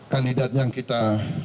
kandidat yang kita